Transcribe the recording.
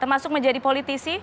termasuk menjadi politisi